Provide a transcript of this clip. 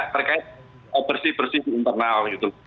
terkait bersih bersih di internal gitu